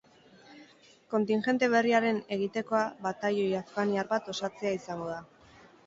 Kontingente berriaren egitekoa batailoi afganiar bat osatzea izango da.